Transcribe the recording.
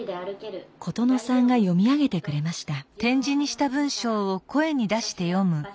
琴乃さんが読み上げてくれました。